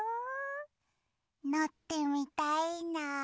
のってみたいな！